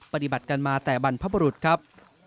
ปฏิบัติกันมาแต่บรรพบรุษครับ